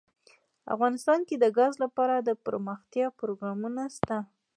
افغانستان کې د ګاز لپاره دپرمختیا پروګرامونه شته.